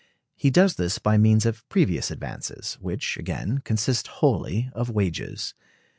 He does this by means of previous advances, which, again, consist wholly of wages.